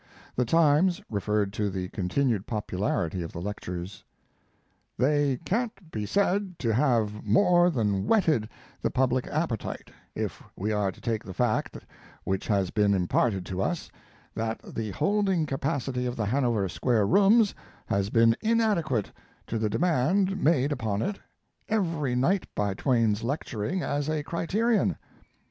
The Times referred to the continued popularity of the lectures: They can't be said to have more than whetted the public appetite, if we are to take the fact which has been imparted to us, that the holding capacity of the Hanover Square Rooms has been inadequate to the demand made upon it every night by Twain's lecturing, as a criterion.